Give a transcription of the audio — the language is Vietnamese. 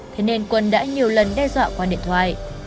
thế nên quân đã nhiều lần đe dọa qua điện thoại